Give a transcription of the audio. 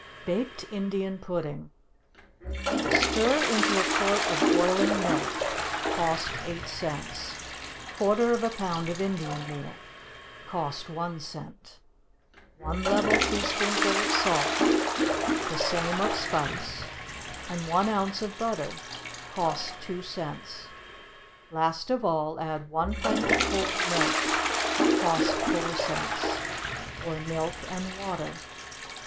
=Baked Indian Pudding.= Stir into a quart of boiling milk, (cost eight cents,) quarter of a pound of Indian meal, (cost one cent,) one level teaspoonful of salt, the same of spice, and one ounce of butter, (cost two cents;) last of all add one pint of cold milk, (cost four cents,) or milk and water.